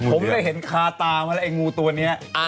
ผมได้เห็นคาตามาแล้วไอ้งูตัวนี้